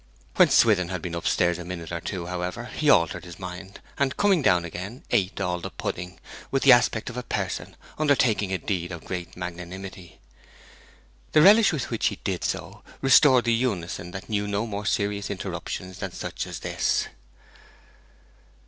When Swithin had been up stairs a minute or two however, he altered his mind, and coming down again ate all the pudding, with the aspect of a person undertaking a deed of great magnanimity. The relish with which he did so restored the unison that knew no more serious interruptions than such as this.